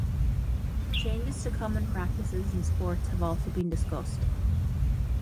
Changes to common practices in sports have also been discussed.